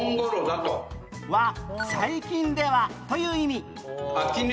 は「最近では」という意味